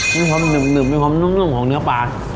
มีความหนึบหนึบมีความนุ่มนุ่มของเนื้อปลา